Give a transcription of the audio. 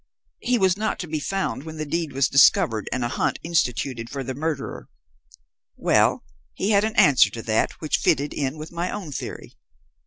"He was not to be found when the deed was discovered, and a hunt instituted for the murderer. Well, he had an answer to that which fitted in with my own theory.